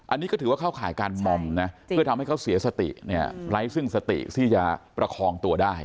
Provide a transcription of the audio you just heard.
อันนี้ก็ถือว่าเข้าข่ายการมอมนะเพื่อทำให้เขาเสียสติเนี่ยไร้ซึ่งสติที่จะประคองตัวได้